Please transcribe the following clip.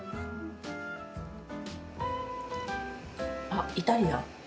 あ、イタリアン。